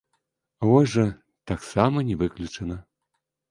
Вось жа, таксама не выключана.